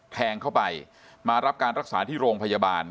แทงเข้าไปมารับการรักษาที่โรงพยาบาล